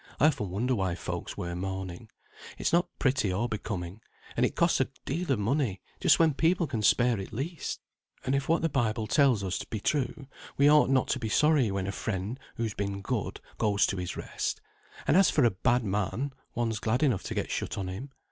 "I often wonder why folks wear mourning; it's not pretty or becoming; and it costs a deal of money just when people can spare it least; and if what the Bible tells us be true, we ought not to be sorry when a friend, who's been good, goes to his rest; and as for a bad man, one's glad enough to get shut on him.